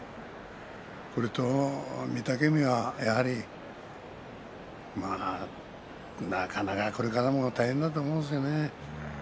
これと御嶽海は、やはりなかなか、これからも大変だと思うんですよね。